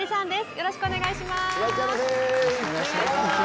よろしくお願いします。